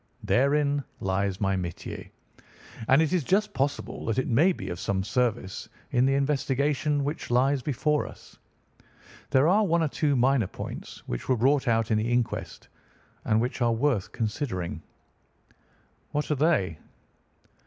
Therein lies my métier, and it is just possible that it may be of some service in the investigation which lies before us. There are one or two minor points which were brought out in the inquest, and which are worth considering." "What are they?"